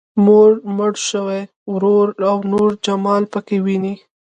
مور، مړ شوی ورور او نور جمال پکې ويني.